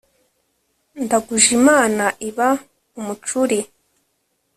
Ndaguje imana iba umucuri!